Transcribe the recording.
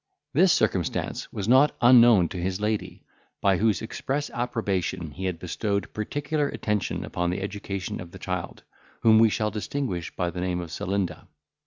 This circumstance was not unknown to his lady, by whose express approbation he had bestowed particular attention upon the education of the child, whom we shall distinguish by the name of Celinda.